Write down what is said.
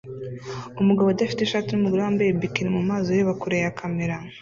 Umugabo udafite ishati numugore wambaye bikini mumazi ureba kure ya kamera